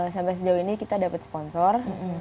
sampai sejauh ini kita dapat sponsor